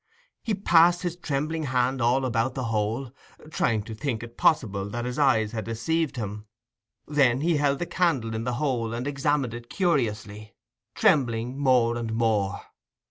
He passed his trembling hand all about the hole, trying to think it possible that his eyes had deceived him; then he held the candle in the hole and examined it curiously, trembling more and more.